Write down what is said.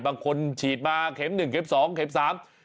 บางคนฉีดมาเข็มหนึ่งเข็มสองเข็มสาม